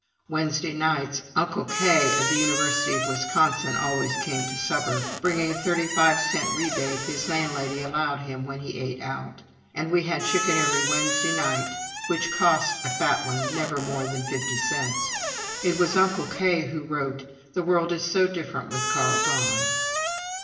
Wednesday nights "Uncle K." of the University of Wisconsin always came to supper, bringing a thirty five cent rebate his landlady allowed him when he ate out; and we had chicken every Wednesday night, which cost a fat one never more than fifty cents. (It was Uncle K. who wrote, "The world is so different with Carl gone!")